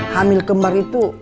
hamil kembar itu